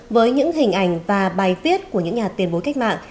với những hình ảnh và bài viết của những nhà tiền bối cách mạng